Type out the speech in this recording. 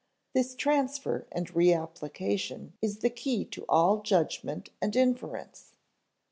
This transfer and reapplication is the key to all judgment and inference.